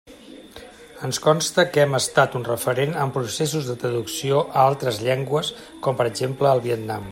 Ens consta que hem estat un referent en processos de traducció a altres llengües, com per exemple al Vietnam.